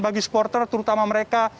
bagi supporter terutama mereka